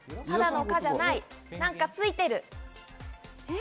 ただの「カ」じゃない、何かついてる。